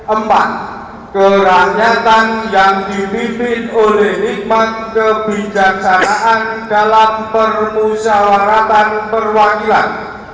empat kerakyatan yang dipimpin oleh nikmat kebijaksanaan dalam permusyawaratan perwakilan